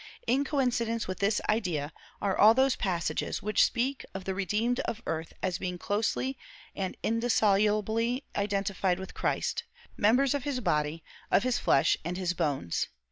In coincidence with this idea are all those passages which speak of the redeemed of earth as being closely and indissolubly identified with Christ, members of his body, of his flesh and his bones.